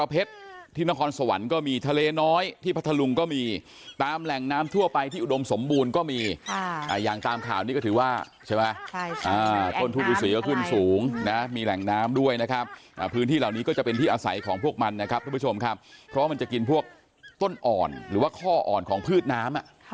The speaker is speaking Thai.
เพราะว่ามันจะกินพวกต้นอ่อนหรือว่าข้ออ่อนของพืชน้ำ